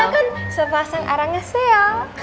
kita kan sepasang arang ase ya